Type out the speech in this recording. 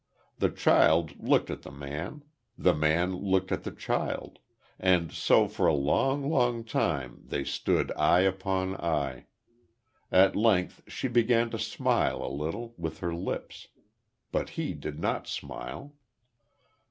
The child looked at the man; the man looked at the child; and so for a long, long time they stood eye upon eye.... At length she began to smile a little, with her lips. But he did not smile....